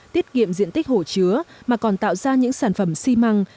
tiết kiệm diện tích hồ chứa mà còn tạo ra những sản phẩm xi măng